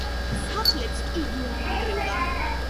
სახლებს კი იგი არ ანგრევდა.